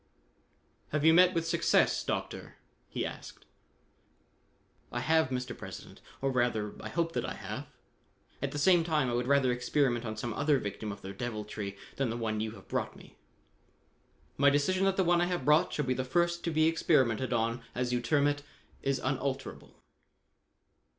"Have you met with success, Doctor?" he asked. "I have, Mr. President; or, rather, I hope that I have. At the same time, I would rather experiment on some other victim of their deviltry than the one you have brought me." "My decision that the one I have brought shall be the first to be experimented on, as you term it, is unalterable."